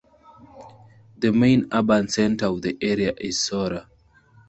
The main urban center of the area is Sora.